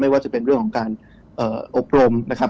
ว่าจะเป็นเรื่องของการอบรมนะครับ